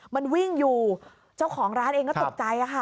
มันวิ่งอยู่เจ้าของร้านเองก็ตกใจค่ะ